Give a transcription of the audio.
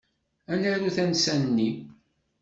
Ad naru tansa-nni.